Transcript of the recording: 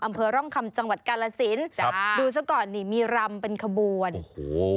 อำเภอร่องคำจังหวัดกาลสินจ้ะดูซะก่อนนี่มีรำเป็นขบวนโอ้โห